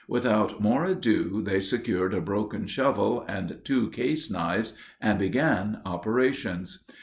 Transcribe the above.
Without more ado they secured a broken shovel and two case knives and began operations.